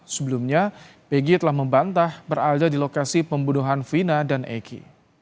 sebelumnya pg telah membantah berada di lokasi pembunuhan vina dan eki